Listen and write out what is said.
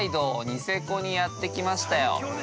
ニセコにやってきましたよ。